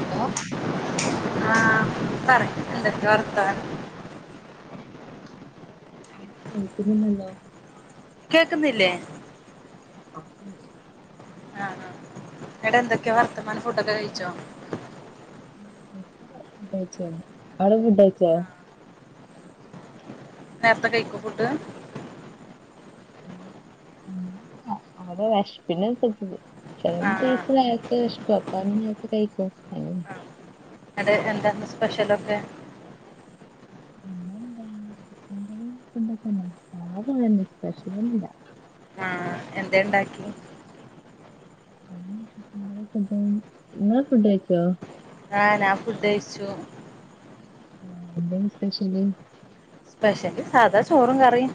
hello ആഹ് പറയ് എന്തൊക്കെ വർതാനം പിന്നെ ഒന്നും കേൾക്കുന്നില്ലല്ലോ കേക്കുന്നില്ലേ അ [unintelligible] ആ ആ ന്നടെന്തൊക്കെയാ വർത്തമാനം ഫുഡൊക്കെ കഴിച്ചോ ഇവടെ ഫുഡേയ്ച്ചഴിഞ്ഞ് അവടെ ഫുഡ്ഡൈയ്ച്ചോ നേർത്തെ കഴിക്കോ ഫുഡ് അങ്ങാനെന്നുല്ല അവടെ വെഷ്പ്പിനൻസരിച്ച് ആഹ് [unintelligible] [unintelligible] നേരത്തെ വെഷക്കും അപ്പൊ നേരത്തെ കൈക്കും അങ്ങനെ അടെ എന്താന്ന് സ്പെഷ്യലൊക്കെ പിന്നെ എന്താ ചിക്കൻ കറിം ഫുണ്ടൊക്കെന്നെ സാധപോലെന്നെ സ്പെഷ്യലൊന്നും ല്ല ആഹ് എന്തേ ണ്ടാക്കി അത് ഞാൻ ചിക്കൻ കറി ഫുഡ്‌ ഇങ്ങള് ഫുഡ് കൈച്ചോ അഹ് നാൻ ഫുഡ്‌ കൈച്ചു അഹ് എന്തേന്നു സ്പെഷ്യല് സ്പെഷ്യല് സാധാ ചോറും കറിം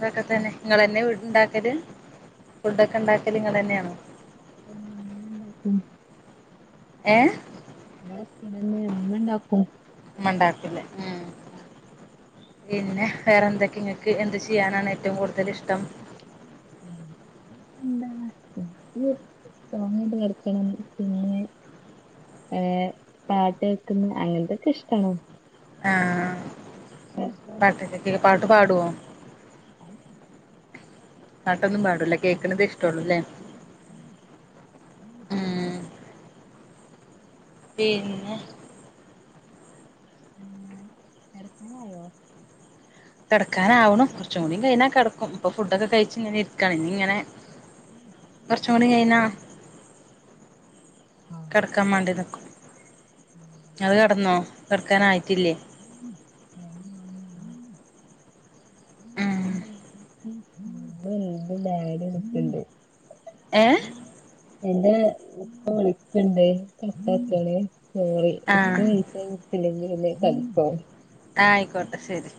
തൊക്കെ തന്നെ ങ്ങളെന്നെ വീട് ഉണ്ടാക്കല് ഫുഡൊക്കെ ണ്ടാക്കല് ങ്ങളെന്നെയാണോ മ്മ ണ്ടാക്കും ഏഹ് ഞാ സ്റ്റുഡന്റ് ഇമ്മ ണ്ടാക്കും മ്മണ്ടാക്കുല്ലെ ആഹ് അഹ് പിന്നെ വേറെ എന്തൊക്കെ ഇങ്ങക്ക് എന്ത് ചെയ്യാനാണ് ഏറ്റവും കൂടുതല് ഇഷ്ടം [inaudible] എന്താ ആ ഇക്ക് ഫോണേട്ട് കെടക്കണം പിന്നെ ഏയ് പാട്ടേക്കുന്ന അങ്ങൻത്തൊക്കെ ഇഷ്ടമാണ് പാട്ടക്കൊ കേപാട്ടു പാട്വോ പാട്ടൊന്നും പാടൂല കേക്കുണുതേ ഇഷ്ടള്ളൂല്ലേ പിന്നെ ഏയ് കെടക്കാനായോ കെടക്കാനാവുണു കുറച്ചും കൂടി കഴിഞ്ഞാ കെടക്കും ഇപ്പൊ ഫുഡൊക്കെ കഴിച്ച് ഇങ്ങനെ ഇരിക്കാണ് ഇനി ഇങ്ങനെ കുറച്ചും കൂടി കൈനാ കെടക്കാൻ വാണ്ടി നിക്കും ങ്ങള് കെടന്നോ കെടക്കാനായിട്ടില്ലേ [inaudible] ഉം ഇന്നേ ഇന്റെ ഡാഡി വിളിക്കിണ്ട് ഏയ് എന്റെ ഇപ്പ വിളിക്കിണ്ട് കട്ടാക്കിയാളി സോറി ആ ഇപ്പ വിളിച്ചയ്ഞ്ഞിട്ടില്ലെങ്കി പിന്നെ കലിപ്പാവും അഹ് അയ്ക്കോട്ടെ ശെരി